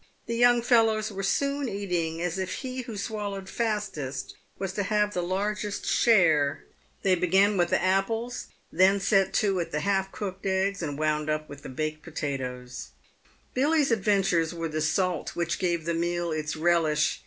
The young fellows were soon eating as if he who swallowed fastest was to have the largest share. They began with the apples, then set to at the half cooked eggs, and wound up with baked potatoes. Billy's adventures were the salt which gave the meal its relish.